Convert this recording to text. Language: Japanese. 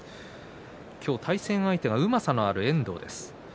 今日は対戦相手はうまさのある遠藤です。